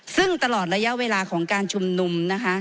ซึ่งตลอดระยะเวลาของการชุมนุมนะคะ